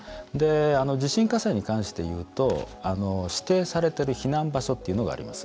地震火災に関して言うと指定されている避難場所というのがあります。